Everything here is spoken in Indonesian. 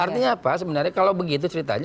kenapa sebenarnya kalau begitu ceritanya